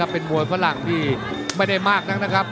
เป็นมวยฝรั่งที่ไม่ได้มากนักนะครับ